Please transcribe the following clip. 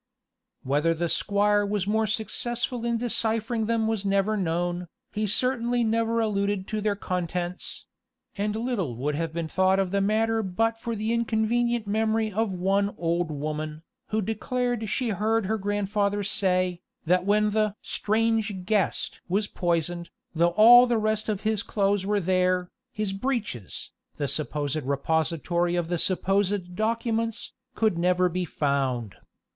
Whether the squire was more successful in deciphering them was never known; he certainly never alluded to their contents; and little would have been thought of the matter but for the inconvenient memory of one old woman, who declared she heard her grandfather say, that when the "strange guest" was poisoned, though all the rest of his clothes were there, his breeches, the supposed repository of the supposed documents, could never be found.